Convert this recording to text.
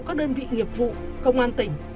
các đơn vị nghiệp vụ công an tỉnh